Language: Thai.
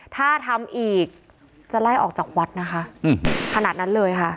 ถ้าทำอีกจะไล่ออกจากวัดนะคะขนาดนั้นเลยค่ะ